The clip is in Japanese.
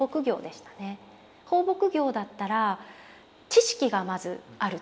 放牧業だったら知識がまずあると。